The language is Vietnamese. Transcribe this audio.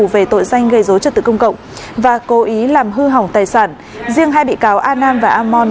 về tội danh gây dối trật tự công cộng và cố ý làm hư hỏng tài sản riêng hai bị cáo a nam và amon